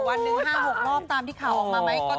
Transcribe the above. วันหนึ่ง๕๖รอบตามที่ข่าวออกมาไหม